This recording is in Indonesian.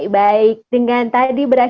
baik dengan tadi berasal